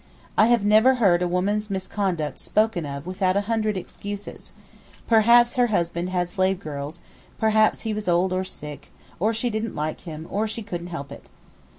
I have never heard a woman's misconduct spoken of without a hundred excuses; perhaps her husband had slave girls, perhaps he was old or sick, or she didn't like him, or she couldn't help it.